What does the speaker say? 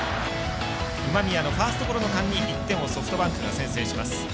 今宮のファーストゴロの間に１点をソフトバンクが先制します。